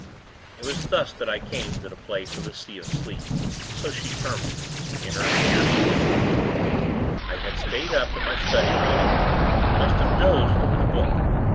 It was thus, that I came to the place of the Sea of Sleep so she termed it, in her dear speech with me. I had stayed up, in my study, reading; and must have dozed over the book.